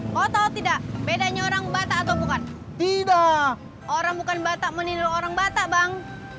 kau tahu tidak bedanya orang bata atau bukan tidak orang bukan bata menilai orang bata bang